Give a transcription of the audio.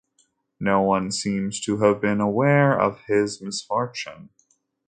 No one seems to have been aware of his misfortune.